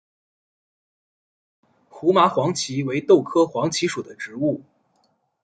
胡麻黄耆为豆科黄芪属的植物。